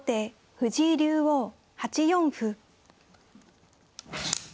藤井竜王８四歩。